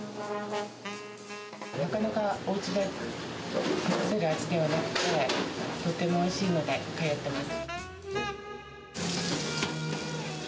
なかなかおうちで出せる味ではなくて、とてもおいしいので、通ってます。